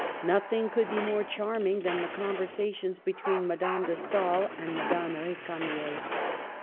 Nothing could be more charming than the conversa tions between Madame de Stael and Madame R6 camier.